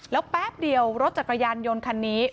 แล้วแป๊บเดียวรถจักรยานยนต์คันนี้